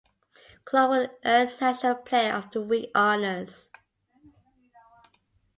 Clarke would earn National player of the week honors.